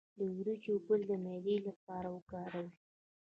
د وریجو ګل د معدې لپاره وکاروئ